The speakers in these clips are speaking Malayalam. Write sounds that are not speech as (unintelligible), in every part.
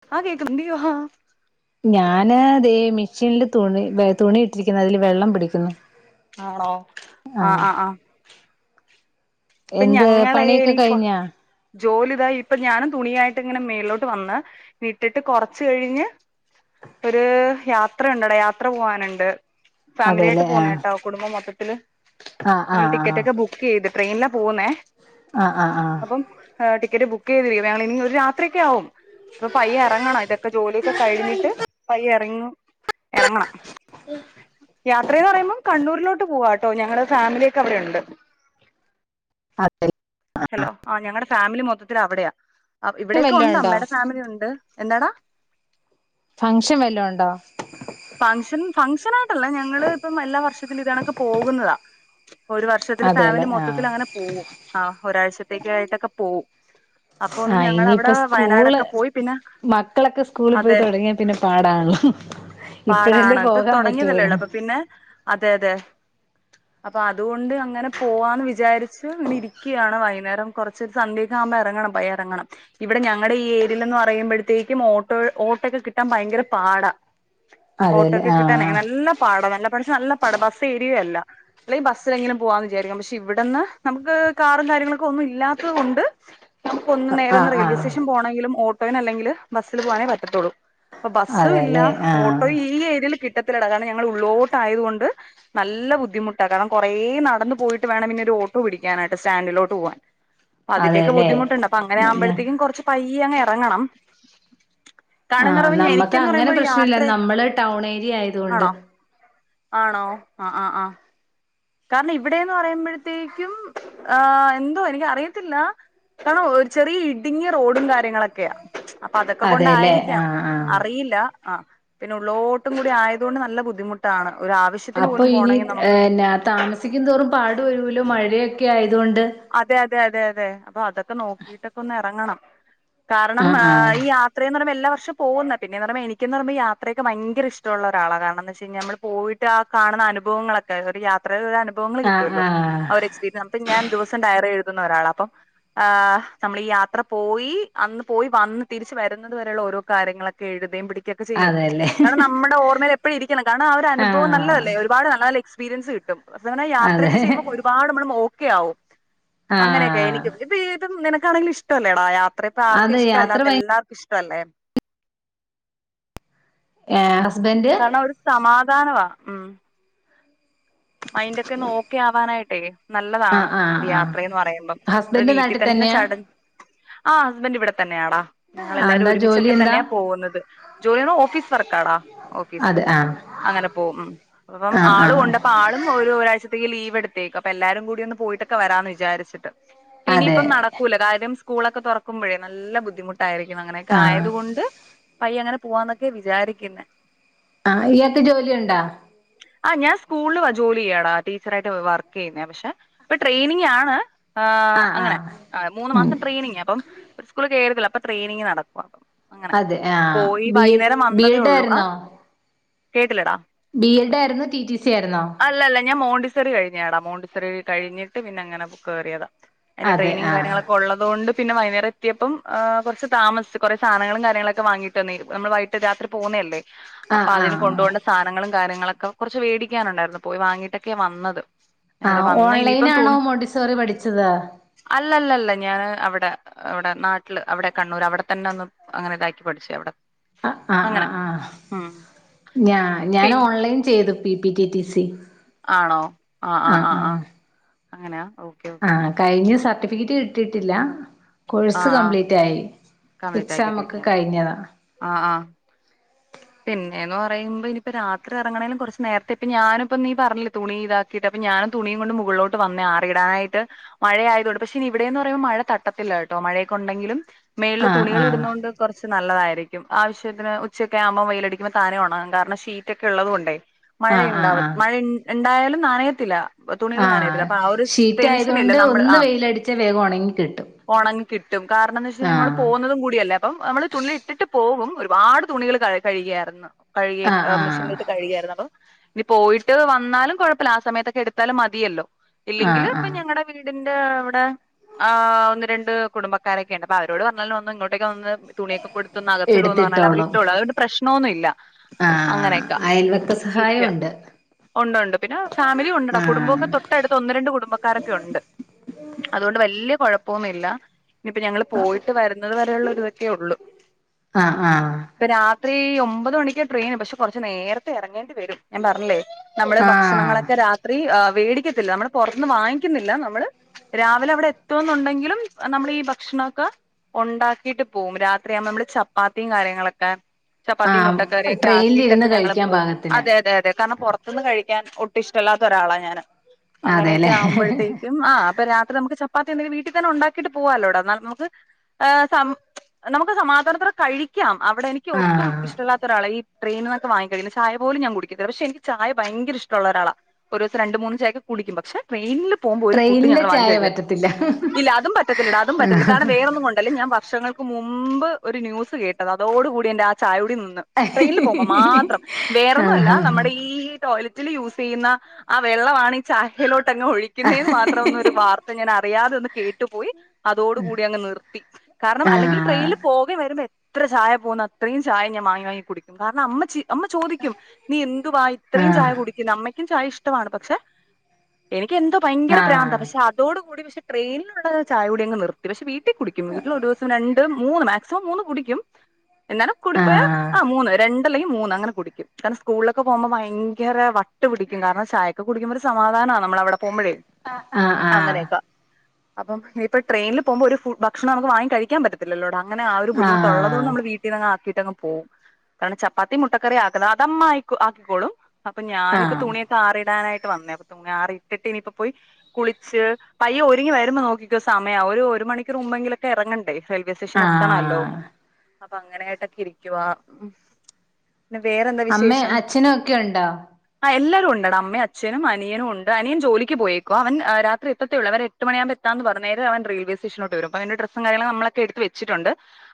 (unintelligible) ന്നെതേ മെഷീനില് തുണി തുണിയിട്ടിരിക്കുന്ന അതില് വെള്ളം പിടിക്കുന്നു ആണോ ആഹ് ആഹ് ആഹ് ഇപ്പൊ എന്ത് ഞങ്ങളെ പണിയൊക്കെ എനി കഴിഞ്ഞാ ജോലിതാ ഇപ്പൊ ഞാനും തുണിയായിട്ട് ഇങ്ങനെ മേളിലോട്ട് വന്ന് വിട്ടിട്ട് കൊറച്ച് കഴിഞ്ഞ് ഒരു യാത്രുണ്ട്ട യാത്ര പോവാനുണ്ട് ഫാമിലിയായിട്ടു അതെല്ലേ ആഹ് പോന്നയാട്ടോ കുടുംബം മൊത്തത്തില് ആഹ് ഞങ്ങള് ആഹ് ടിക്കറ്റ് ആഹ് ഒക്കെ ബുക്ക് ചെയ്ത് ട്രെയിനില പോന്നേ ആഹ് ആഹ് ആഹ് അപ്പം ടിക്കറ്റ് ബുക്ക് ചെയ്തിരിക്ക വ ഇനി ഒരു രാത്രിയൊക്കെ ആവും അപ്പ പയ്യ എറങ്ങണം ഇതൊക്കെ ജോലിയൊക്കെ കഴിഞ്ഞിട്ട് പയ്യ എ റങ്ങി എറങ്ങണം യാ ത്രന്ന് പറയുമ്പോ കണ്ണൂരിലോട്ട് പോവാട്ടോ ഞങ്ങളുടെ ഫാമിലിയക്കെ അവിടേണ്ട് അതെ ഹലോ ആ ഞങ്ങളുടെ ഫാമിലി മൊത്തത്തിൽ അവിടെയാ ഇവിടെക്കെ വല്ലോം ഉണ്ട് ഉണ്ടോ അമ്മേടെ ഫാമിലി ഉണ്ട് എന്താടാ? ഫങ്ഷൻ വല്ലോ ഉണ്ടോ? ഫങ്ഷൻ ആയിട്ടല്ല ഞങ്ങള് ഇപ്പം എല്ലാ വർഷത്തിലും ഇതണൊക്കെ പോകുന്നതാ ഒരു വർഷത്തില് അതെല്ലെ ഫാമിലി ആഹ് മൊത്തത്തിൽ അങ്ങനെ പോവും ആ ഒരാഴ്ചത്തേക്കായിട്ടൊക്കെ പോകും അപ്പൊ ഒന്ന് ആഹ് ഇനിയിപ്പ ഞങ്ങളവിടെ സ്കൂള് വയനാടൊക്കെ പോയി പിന്നെ മക്കളൊക്കെ സ്കൂളിൽ പോയി അതെ തുടങ്ങിയാൽ പിന്നെ പാടാണല്ലോ ഇപ്പഴല്ലേ പാടാണ് ഇപ്പൊ പോകാൻ തുടങ്ങിയതല്ലേ പറ്റുള്ളൂ ഉള്ളൂ അപ്പൊ പിന്നെ അതെ അതെ. അപ്പൊ അതുകൊണ്ട് അങ്ങനെ പോവാന്ന് വിചാരി ച്ച് ഇങ്ങനെ ഇരിക്കാണ് കുറച്ചൊ സന്ധ്യ ഒക്കെ ആവുമ്പോ ഇറങ്ങണം പയ്യേറങ്ങണം ഇവിടെ ഞങ്ങളുടെ ഈ ഏരിയൽ ന്ന് പറയുമ്പോഴത്തേക്കുംഓട്ടോയു ഓട്ടക്കെ കിട്ടാൻ ഭയങ്കര പാടാ. ഓട്ടോ അതെല്ലേ ഒക്കെ കിട്ടാനെ ആഹ് നല്ല പാടാ നല്ല പഠിച്ച നല്ല പട ബസ് ഏരിയല്ല അല്ലെങ്കി ബസ്സിലെങ്കിലും പോവാന്ന് വിചാരിക്കാം പക്ഷെ ഇവിടന്ന് നമുക്ക് കാറും കാര്യങ്ങളൊക്കെ ഒന്നും ഇല്ലാത്തത് കൊണ്ട് നമുക്ക് ഒന്ന് നേരന്ന് ആഹ് റെയിൽവേ ആഹ് സ്റ്റേഷൻ പോകണങ്കിലും ഓ ഓട്ടോന അല്ലെങ്കിൽ ബസ്സിൽ പോകാനേ പറ്റത്തുള്ളൂ അപ്പൊ ബസ്സും ഇല്ല അതെല്ലേ ആഹ് ഓട്ടോ ഈ ഏരിയേൽ കിട്ടാ ത്തിലട കാരണം ഞങ്ങൾ ഉള്ളോട്ട് ആയതുകൊണ്ട് നല്ല ബുദ്ധിമുട്ടാണ് കാരണം കുറേ നടന്നു പോയിട്ട് വേണം പിന്നെരു ഓ ട്ടോ പിടിക്കാനായിട്ട് സ്റ്റൻഡിലോട്ട് പോവാൻ അതിന്റൊക്കെ അതെല്ലേ ബുദ്ധിമുണ്ട് അങ്ങനെ ഞാ ആവുമ്പോഴത്തക്കും കുറച്ച് പൈ യ്യെ അങ്ങ് ഇറങ്ങണം. ആഹ് കാണുന്നറവ നമ്മക്ക് എനിക്കന്ന് അങ്ങനെ പറയുമ്പോ ഒരു പ്രശ്നല്ല യാത്രയ നമ്മള് ടൗൺ ഏരിയ ആയതുകൊണ്ട് ആണോ? ആണോ? ആഹ ആഹ ആഹ. കാരണം ഇവിടെന്ന് പറയുമ്പോഴത്തേക്കും ആ എന്തോ എനിക്ക അറിയത്തില്ല. കാരണം ഒരു ചെറിയ ഇടുങ്ങിയ റോഡും കാ ര്യങ്ങളൊക്കെയാ അപ്പൊ അതൊക്കെ അതെല്ലേ കൊണ്ടായിരിക്കാം ആഹ് ആഹ് അറിയില്ല ആ. പിന്നെ ഉള്ളോട്ടും കൂടി ആയത്കൊണ്ട് നല്ല ബുദ്ധിമുട്ടാണ്. ഒരു ആവശ്യത്തിന് അപ്പൊ പോലും പോണമെങ്കിൽ നമുക്ക് ഇനിന്ന താമസിക്കുന്തോറും പാടു വരുലോ മഴയൊക്കെ ആയ അതെ അതെ അതെ അതെ അപ്പൊ അതൊക്കെ നോക്കിട്ടൊക്കെ ഒന്ന് ഇറങ്ങണം. കാരണം ആഹ് ആഹ് ഈ യാത്രയന്ന് പറയ്മ്പോ എല്ലാ (unintelligible) പോവുന്ന പിന്നെപറയുന്ന എനികെന്ന് പറയ്മ്പോ ഈ യാത്രയക്കെ ഭയങ്കര ഇഷ്ടുള്ളരാളാണ് കാരണം ന്ത് വെച്ച് കഴിഞ്ഞാൽ നമ്മളീ പോയിട്ടാ കാണുന്ന അനുഭവങ്ങളൊക്കെ ഒരു യാത്ര അനുഭവങ്ങൾ ആഹ് കിട്ടുമല്ലോ ആഹ് ആ ഒരു എക്സ്പീരിയൻസ് പ്പൊ ഞാ ദിവസം ഡയറി എഴുതുന്ന ഒരാളാ അപ്പം ആ നമ്മൾ ഈ യാത്ര പോയി അന്ന് പോയി വന്ന് തിരിച്ച് വരുന്നത് വരെയുള്ള ഓരോ കാര്യങ്ങളൊക്കെ എഴുതീം പിടി ക്ക ഒക്കെ ചെയ്യും അതെല്ലേ കാരണം നമ്മുടെ ഓർമ്മയിൽ എപ്പോഴും ഇരിക്കണം കാരണം ആ ഒരു അനുഭവം ആഹ് നല്ലതല്ലേ ഒരുപാട് നല്ലല്ല എക്സ പീരിയൻസ് കിട്ടും ന്ന് പറഞ്ഞ അതെ യാത്രയക്കെ ചെയ്യുമ്പൾ ഒരുപാട് നമ്മള് ഓക്കെ ആവും. അങ്ങനെയൊക്കെ ആഹ് എനക്ക് ഇപ്പ ഇപ്പം നിനക്കാണെങ്കും ഇഷ്ടമല്ലേടാ യാ ത്രറിപ്പോ ആർക്കാ അത് യാത്ര ഇഷ്ടല്ലാതെ എ ഭയ ല്ലാർക്കും ഇഷ്ടല്ലേ. ഏഹ് ഹസ്ബൻഡ് കാരണം ഒരു സമാധാനവാ ഉം മൈൻന്ടൊക്കെ ഓക്കെ ആവാനായിട്ടേ നല്ലതാണ് ആഹ് ആഹ് ഒരു ആഹ് യാത്രന്ന് പറയുമ്പം അത് ഹസ്ബൻഡ് വീട്ടിൽ നാട്ടിൽ തന്നെ തന്നെയാ ചടച്ച് ആ ഹസ്‌ബൻഡ് ഇവിട തന്നെയാടാ ആഹ് ഞങ്ങളെല്ലാവരും എന്താ ജോലി ഒരുമിച്ചൊക്കെ എന്താ തന്നെയാ പോകുന്നത് ജോലിയണ ഓഫീസ് വർക്കടാ. അതെ ഓഫീസില് ആഹ് അങ്ങനെ പോവും മ്മ്ഹ് അപ്പം ആഹ് ആള് ആഹ് കൊണ്ട ആളും ഒരു ഒരാഴ്ചത്തേക്ക് ലീവ്ടുത്തേക്ക അപ്പ എല്ലരും കൂടി ഒന്ന് പോയിട്ടൊക്കെ വരാമന്ന് വിചാരിച്ചിട്ട്. പിന്നെ അതെ ഇനിപ്പം നടക്കൂല കാര്യം സ്കൂളൊക്കെ തുറക്കുമ്പോഴേ നല്ല ബുദ്ധിമു ട്ടായിരിക്ക അങ്ങനെയൊക്കെ ആഹ് ആയത കൊണ്ട് പയ്യങ്ങനെ പോവാന്നൊക്കെ വിചാരിക്കുന്ന. ആഹ ഇയാക്കെ ജോലിുണ്ടാ? ആ ഞാ സ്കൂളില് ജോലി ചെയ്യാടാ ടീച്ചറായിട്ട് വർക്ക് ചെയ്യുന്നേ പക്ഷെ ഇപ്പൊ ട്രെയിനിങ്ങാണ്. ആ് ആഹ് അങ്ങനെ ആഹ് അ മൂന്ന് ഉം മാസം ട്രെയിനിങ് അപ്പം ഒരു സ്കൂള കേറിയതല്ലേ അപ്പൊ ട്രെയിനിങ് നടക്ക അങ്ങനെ അതെ ആഹ് പോയി ബി എഡ് വൈകുന്നേരം ബി വന്നതേ എഡ് ഉള്ളൂ ആ ആയിരുന്നോ കേട്ടില്ലടാ. ബി എഡ് ആയിരുന്നോ ടി ടി സി ആയിരുന്നോ? അല്ലല്ല ഞാൻ മോണ്ടിസറി കഴിടഞടാ മോണ്ടിസറി കഴിഞ്ഞിട്ട് പിന്നെ അങ്ങനെ കയറിയതാ. അതിന്റെ അതെ ടെയിനിങ്ങും ആഹ് കാര്യങ്ങളൊക്കെ ഉള്ളത് കൊണ്ട് പിന്നെ വൈന്നെര അ എത്തിയപ്പം കുറച്ച് താമസിച്ചു കുറെ സാധനങ്ങളും കാര്യങ്ങളൊക്കെ വാങ്ങിട്ട് വന്നേ നമ്മൾ വൈകീട്ട് രാത്രി പോന്നതല്ലേ. അപ്പൊ ആഹ് അതിന് കൊണ്ടു ആഹ് പോണ്ടെ സാധനങ്ങളും കാര്യങ്ങളൊക്കെ കുറച്ച് വേടിക്കാനുണ്ടായിരുന്നു പോയി വാങ്ങിയിട്ടൊക്കെ വന്നത്. നേരെ ആഹ് വന്ന ഇനിയിപ്പം ഓൺലൈനാണോ തുണി മോണ്ടിസോറി പഠിച്ചത് അല്ലല്ല അല്ല ഞാന് അവിടെ. അവിടെ നാട്ടില് അവിടെ കണ്ണൂർ അവിടെ തന്നെ ഒന്ന് അങ്ങനെ ഇതാക്കി പഠിച്ചു അവിടെ ആഹ് ആഹ് അങ്ങനെ ആഹ് ആഹ് ഉം ഞാ ഞാൻ പിൻ ഓൺലൈൻ ചെയ്ത് പിന്നെ പി ടി ടി സി ആണോ ആ ആ ആ അങ്ങനാ ആ കഴിഞ്ഞ് സർട്ടിഫിക്കറ്റ് കിട്ടിട്ടില്ല ആ കോഴ്സ് ആ കംപ്ലീറ്റ് ആയി കമ്മ്യൂണിറ്റ് എക്സാം ഒക്കെ ആക്കിയിട്ടിരിക്കാ കഴിഞ്ഞതാ ആഹ് ആഹ് പിന്നേന്ന് പറയുമ്പം ഇനിയിപ്പ രാത്രി എറങ്ങെണേലും കൊറച്ച് നേര്ത്തെ ഇപ്പ ഞാനിപ്പം നീ പറഞ്ഞില്ലെ തുണി ഇതാക്കീട്ട് ഞാനാ തുണിയും കൊണ്ട് മുകൾലോട്ട് വന്നെയാ ആറിയിടാനായിട്ട് മഴയായതോണ്ട് പക്ഷെ നി ഇവിടേന്ന് പറയുമ്പോ മഴ തട്ടത്തില്ല കെട്ടോ മഴെയൊക്ക ഒണ്ടെങ്കിലും മേളില് ആഹ് തുണികള് ആഹ് ഇട്ന്നാേണ്ട് കാെർച്ച് നല്ലതായിരിക്കും ആവശ്യത്തിന് ഉച്ച നെ ആവുമ്പം വെയിലടിക്കുമ്പാെ താനെ ഒണെങ്ങും കാരണം ഷീറ്റാെക്കെ ഇള്ളത് കൊണ്ടേ മഴ ആഹ് ഇണ്ടാവ ആഹ് ആഹ് മഴ ഉ ഇ ഇണ്ടായാലും നനയത്തിലാ തുണികൾ ആഹ് നനയത്തില്ല. അപ്പൊ ആ ഒരു സ് ഷീറ്റ് ടെൻഷനില്ല ആയതുകൊണ്ട് നമ്മള് ഒന്ന് ആ. വെയിലടിച്ചാ വേഗം ഉണങ്ങി കിട്ടും ഒണെങ്ങി കിട്ടും കാരണംന്ന് വെച്ചയ്ഞ്ഞാ മ്മള് ആഹ് പോകുന്നതും കൂടിയല്ലേ അപ്പം നമ്മള് തുണില് ഇട്ടിട്ട് പോവും. ഒരുപാട് തുണികള് കഴി കഴികിയാര്ന്ന്. കഴികി ആഹ് ആഹ് മെഷീനിലട്ട് കഴികിയാര്ന്ന്. അപ്പം ഇനി പോയിട്ട് വന്നാലും കുഴപ്പല്ല. ആ സമയത്തൊക്കെ എടുത്താലും മതിയല്ലോ. ഇല്ലെങ്കില് ആഹ് ഇപ്പൊ ആഹ് ഞങ്ങളടെ വീടിൻ (unintelligible) വ്ടെ ആ ഒന്ന് രണ്ട് കുടുംബക്കാരൊക്കെണ്ട് അപ്പൊ അവരോട് പറഞ്ഞാലും ഒന്ന് ഇങ്ങോട്ടൊക്കെ വന്ന് തുണിയൊക്കെ പോയ്ട്ത്താെന്ന് അകത്തിടാേന്ന് പർഞ്ഞാൽ അവര് എടുത്തിട്ടോളും ഇത്രള്ളൂ അതോണ്ട് പ്രശ്‌നോന്നു ഇല്ല. ആഹ് അങ്ങനെയൊക്ക അയൽവക്ക അങ്ങനെയൊക്കെ സഹായം ഇരിക്കുകയാ ഉണ്ട് ഒണ്ട് ഒണ്ട് പിന്നെ ഫാമിലി ഉണ്ട്ടാ ആഹ് കുടുംബാെക്കെ തൊട്ടട്ത്ത് ഒന്ന് രണ്ട് കുടുംബക്കാരൊക്കെ ഉണ്ട് അതോണ്ട് വല്ല്യ കൊഴപ്പോംമില്ലാ ഇപ്പ ഞങ്ങൾ പോയിട്ട് വരുന്നത് വരെയുള്ള ഇതൊക്കെ യുള്ളു ആഹ് ആഹ് ഇപ്പ രാത്രീ ഒമ്പത് മണിക്കാ ട്രെയിന് പക്ഷെ കൊർച്ച് നേരത്തെ എറെങ്ങേണ്ടി വെരും ഞാൻ പർഞ്ഞില്ലേ നമ്മള് ആഹ് ഭക്ഷണങ്ങളെക്കെ രാത്രി ആഹ് വേടിക്കത്തില്ല നമ്മള് പാെറത്ത്ന്ന് വാങ്ങിക്ക്ന്നില്ല നമ്മള് രാവിലെ അവിടെ എത്തോന്നുണ്ടെങ്കിലും നമ്മളീ ഭക്ഷണാെക്ക ഒണ്ടാക്കീട്ട് പോകും രാത്രിയാവുമ്പം മ്മള് ചപ്പാത്തീം കാര്യങ്ങളൊക്കെ ചപ്പാത്തിയും ആഹ് മുട്ടക്കറിയൊക്കെ ട്രെയിനിലിരുന്ന് ആക്കിയിട്ടൊക്കെ ഞങ്ങൾ കഴിക്കാൻ പോവും. പാകത്തിന് അതെ അതെ അതെ കാര്ണം പൊറത്ത്ന്ന് കഴിക്കാൻ ഒട്ടും ഇഷ്ട്ടല്ലാത്ത ഒരാളാ ഞാന് അങ്ങനെയൊക്കെ അതെല്ലേ ആവുമ്പോഴത്തേക്കും ആ അപ്പൊ രാത്രി നമുക്ക് ചപ് അതെന്തിന് വീട്ടിത്തന്നെ ഉണ്ടാക്കിട്ട് പോവാലോട എന്നാൽ നമുക്ക് ആ സം മ്‌ച് നമുക്ക് സമാദാനത്തോടെ കഴിക്കാം അവിടെ എനിക്ക് ഒട്ടും ആഹ് ഇഷ്ടല്ലാത്ത ഒരാളെ ഈ ട്രെയിന് വാർക്ക്‌ വാങ്ങി ചായ പോലും ഞാൻ കുടിക്കത്തില്ല പക്ഷെ എനിക്ക് ചായ ഭയര ഇഷ്ടമുള്ളൊരാളാ ഒരൂസം രണ്ട് മൂന്ന് ചായകെ കുടിക്കും പക്ഷെ ട്രെയിൻല് പോവുമ്പം ഒര് ഫുഡ്ഡും ട്രെയിനിലെ ഞങ്ങൾ വാങ്ങിച്ച് ചായ കഴിക്കില്ല പറ്റത്തില്ല ഇല്ല അതും പറ്റത്തില്ലെടാ അതും പറ്റത്തില്ല കാരണം വേറൊന്നും കൊണ്ടല്ലേ ഞാൻ വർഷങ്ങൾക് ക് മുമ്പ് ഒരു ന്യൂസ് കേട്ടതാ അതോടുകൂടി എന്റെ ആ ചായ കു മ്‌ന്ന്. ആഹ് ട്രെയിനിൽ പോകുമ്പോ മാത്രം വേറൊന്നും അല്ല ആഹ് നമ്മുടെ ഈ ടോയ്ലറ്റ് ഇതില് യൂസെയ്യ്ന്ന ആ വെള്ളമാണ് ഈ ചായയിലോ ങ് ഒഴിക്കുന്നേന്ന് മാത്രം ഒന്ന് ഒരു വാർത്ത ഞാൻ അറിയാതെന്ന് കേട്ടുപോയി അതോടുകൂടി അങ്ങ് നിർത്തി. കാര്ണം അല്ലെങ്കില് ട്രെയിനിൽ പോകേ വര്മ്പെ ത്രെ ചായക പോവുന്ന അത്രീം ചായ ഞാൻ വാങ്ങി വാങ്ങി കുടിക്കും കാര്ണം അമ്മ ചീ അമ്മ ചോദിക്കും നീ എ ന്തുവാ ഇത്രീം ചായ ആഹ് കുടിക്കുന്നെ അമ്മയ്ക്കും ചായ ഇഷ്ടവാണ് പക്ഷെ എനി ക്കെന്താേ ഭയങ്കര പ്രാന്താ ആഹ് പക്ഷെ അതോട് കൂടി പക്ഷെ ട്രെയിൻല്ള്ളെ ചായ കുടി അങ്ങ് നിർത്തി പക്ഷെ വീ ട്ടി കുടിക്കും വീട്ടിലൊരൂസം രണ്ട് മൂന്ന് മാക്സിമം മൂന്ന് കുടിക്കും എന്നാലും കൂടിപ്പോയാ ആഹ് മൂന്ന് രണ്ടല്ലെങ്കി മൂന്ന് അങ്ങെനെ കുടിക്കും കാര്ണം സ്കൂൾലൊക്കെ പോകുമ്പം ഭയെങ്കെരെ വട്ട് പിടിക്കും കാരണം ചായൊക്കെ കുടിക്കുമ്പൊര് സമാ സമാധാനാ നമ്മള് അവിടെ പോവുമ്പഴേ ആഹ് ആഹ് അങ്ങനെയൊക്കെ അപ്പം ഇപ്പൊ ട്രൈനില് പോകുമ്പോ ഒരു ഫു ഭക്ഷണം നമുക്ക് വാങ്ങി കഴിക്കാൻപറ്റത്തില്ലല്ലോടാ അങ്ങനെ ആ ഒരു ബുദ്ധിമുട്ട് ഉള്ളതുകൊണ്ട് നമ്മൾ വീട്ടിന്ന് അങ് ആക്കിട്ട് അങ്ങ് ഓ അത് ചപ്പാത്തിം മുട്ടക്കറി ആക്കലാ അതമ്മ ആയിക് ആക്കിക്കോളും. അപ്പൊ ആഹ് ഞാനിപ്പോ ആഹ് തുണിയൊക്കെ ആറിടാനായി വന്നെ (unintelligible) ആറിട്ടിട്ടിനിപ്പോ പോയി കുളിച്ച് പയ്യെ ഒരുങ്ങി വരുമ്പോ നോക്കിക്കൊ സമയാവും ഒരു ഒര് ഒരു മണിക്കൂർമുമ്പെങ്കിലൊക്കെ എറങ്ങണ്ടേ റെയിൽവേസ്റ്റേഷൻ എത്തണല്ലോ. ആഹ് അപ്പൊ അങ്ങനെയായിട്ടൊക്കെരിക്കുവാ. ഹും മച്ച് പിന്നെ അമ്മേ വേറെന്താവിശേഷം അച്ഛനും ഒക്കെ ഉണ്ടോ ആഎല്ലാ ഉണ്ട്ടാ അമ്മെഅച്ഛനുംഅനിയനുംഉണ്ട് അനിയൻജോലിക്ക്പോയേക്കുവാ അവൻ രാത്രിഎത്തേുള്ളൂ അവര്എട്ട് മണിയാമ്പോഎത്താന്ന് പറഞ്ഞു നേരെഅവൻ റെയിൽവേസെഷോനോട്ട് വുരും പ്പൊഅതിന്റെ ഡ്രസ്സുംകാര്യങ്ങള് നമ്മളക്കെഎടുത്ത് വച്ചിട്ടുണ്ട്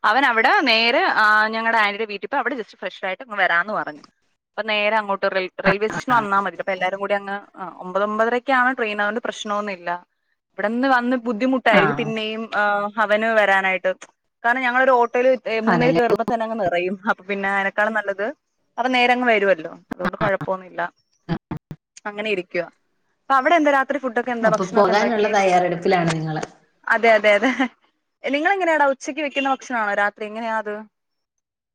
അവൻഅവിടെ നേരെആ ഞങ്ങളുടെ ആന്റിയുടെവീട്ടിപ്പൊ അവിടെജസ്റ്റ് ഫ്രഷ്ആയിട്ട്ങ് വരാന്ന്പറഞ്ഞു അപ്പൊനേരെ അങ്ങോട്ട്‌ റെൽറെയിൽവേ സ്റ്റേഷന് വന്നാമതിലെ അപ്പഎല്ലാ കൂടിഅങ് അ ഒമ്പത് ഒമ്പതരക്കാണ് ട്രെയിന് അതൊണ്ട് പ്രശ്നൊന്നുല്ല ഇവിടെന്ന് വന്ന് ബുദ്ധിമുട്ടായിരിക്കും ആഹ് പിന്നെയും ഹ അവന് വരാനായിട്ട് കാരണംഞങ്ങളൊരു ഓ ട്ടോയിൽ മൂന്നെര് അതെല്ലേ കയറുമ്പോതെന്നങ്ങ് നിറയും അപ്പൊപിന്നെ അയനെക്കാളും നല്ലത് അപ്പനേരങ്ങ് വരുവല്ലോ അതുകൊണ്ട് കൊഴപ്പൊന്നുല്ല അങ്ങനെ ഇരിക്കുവാ അപ്പൊഅവിടെ എന്തരാ ഫുഡോക്കെഎന്താ അപ്പൊ പോകാനുള്ള ഭക്ഷണൊക്കെന്താക്കി തയ്യാറെടുപ്പിലാണ് നിങ്ങള് അതെഅതെ അതെഅതെ നിങ്ങളഎങ്ങനെയാടാ ഉച്ചക്ക് വെക്കുന്ന ഭക്ഷണണോ രാത്രി എങ്ങനെയാഅത്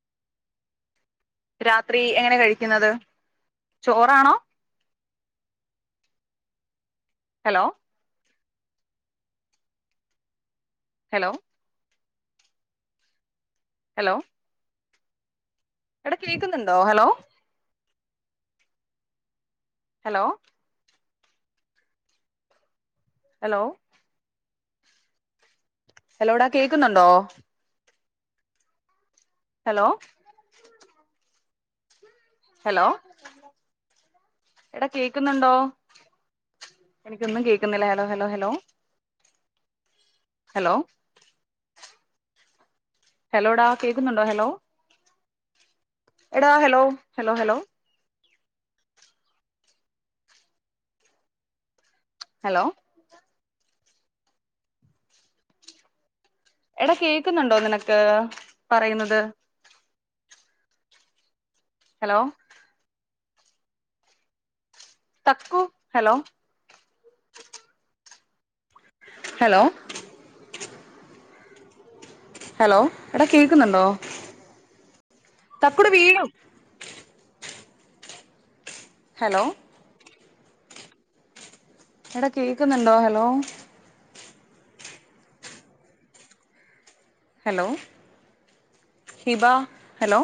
(inaudible) രാത്രിഎങ്ങനെ കഴിക്കുന്നത്ചോറാണോ? (inaudible) ഹലോ ഹലോ ഹലോ എടകേൾക്കുന്നുണ്ടോ ഹലോ ഹലോ ഹലോ ഹലോടാ കേക്കുന്നുണ്ടോ? ഹലോ ഹലോ എടാ കേക്കുന്നുണ്ടോ? എനിക്കൊന്നുംകേക്കുന്നില്ല ഹലോഹലോഹലോ ഹലോ ഹലോടാ കേൾക്കുന്നുണ്ടോഹലോ എടാ ഹലോ ഹലോഹലോ ഹലൊ എടാകേക്കുന്നുണ്ടോ നിനക്ക്പറയുന്നത്? ഹലോ തക്കു ഹലോ ഹലോ ഹലോ എടാകേൾക്കുന്നുണ്ടോ തക്കുടു വീഴും ഹലോ എടാകേക്കുന്നുണ്ടോ ഹലോ ഹലോ ഹിബ ഹലോ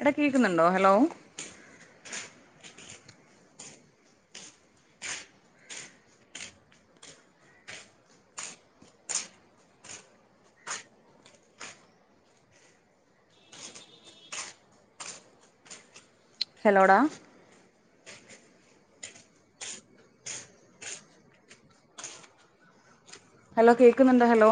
എടാകേക്കുന്നുണ്ടോ ഹലോ ഹലോടാ ഹലോകേൾക്കുന്നുണ്ടോ ഹലോ